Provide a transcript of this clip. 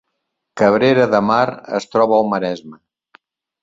Cabrera de Mar es troba al Maresme